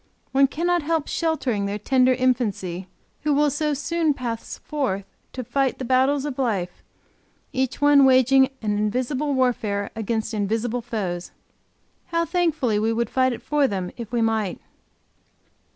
One cannot help sheltering their tender infancy, who will so soon pass forth to fight the battle of life, each one waging an invisible warfare against invisible foes. How thankfully we would fight it for them, if we might!